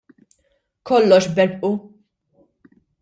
Kollox berbqu!